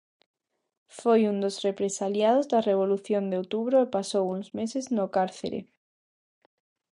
Foi un dos represaliados da revolución de outubro e pasou uns meses no cárcere.